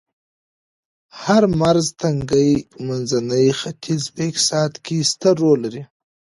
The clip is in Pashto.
د هرمرز تنګی منځني ختیځ په اقتصاد کې ستر رول لري